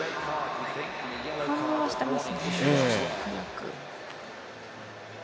反応はしていますね早く。